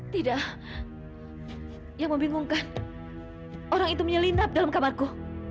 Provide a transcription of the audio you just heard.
tidak yang membingungkan orang itu menyelinap dalam kamarku